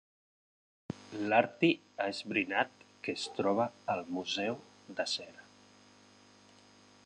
L'Artie ha esbrinat que es troba al Museu de Cera.